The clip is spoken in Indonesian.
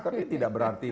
tapi tidak berarti